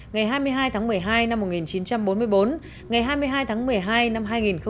ngày hai mươi hai tháng một mươi hai năm một nghìn chín trăm bốn mươi bốn ngày hai mươi hai tháng một mươi hai năm hai nghìn một mươi chín